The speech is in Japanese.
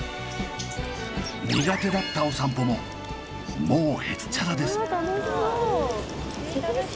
苦手だったお散歩ももうへっちゃらです！